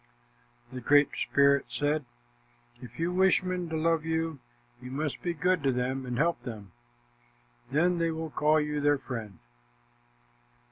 The Great Spirit said, "If you wish men to love you, you must be good to them and help them. Then they will call you their friend."